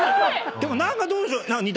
でもどうでしょう？